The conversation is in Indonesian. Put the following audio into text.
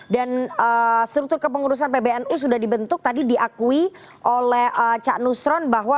dan struktur kepengurusan pbnu sudah dibentuk tadi diakui oleh cak nusron bahwa